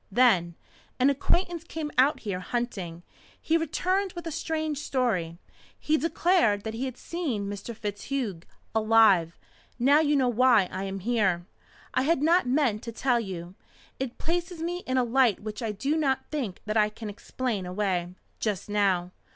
Then an acquaintance came out here hunting. He returned with a strange story. He declared that he had seen Mr. FitzHugh alive. Now you know why I am here. I had not meant to tell you. It places me in a light which I do not think that I can explain away just now.